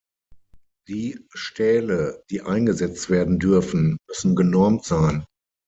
Die Stähle, die eingesetzt werden dürfen, müssen genormt sein.